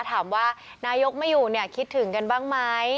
ถามว่านายกไม่อยู่เนี่ยคิดถึงกันบ้างไหม